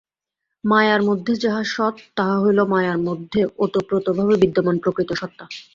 মায়ার মধ্যে যাহা সৎ, তাহা হইল মায়ার মধ্যে ওতপ্রোতভাবে বিদ্যমান প্রকৃত সত্তা।